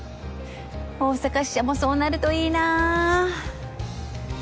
大阪支社もそうなるといいな。